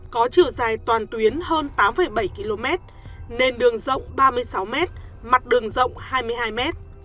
có chữ dài toàn tuyến hơn tám bảy km nền đường rộng ba mươi sáu m mặt đường rộng hai mươi hai m